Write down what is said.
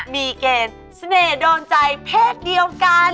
มีเกณฑ์เสน่ห์โดนใจเพศเดียวกัน